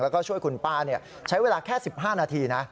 แล้วก็ช่วยคุณป้าใช้เวลาแค่๑๕นาทีนะ